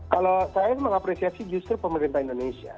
kalau saya mengapresiasi justru pemerintah indonesia